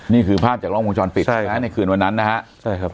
นี่คือภาพจากล้องวงจรปิดใช่ไหมในคืนวันนั้นนะฮะใช่ครับ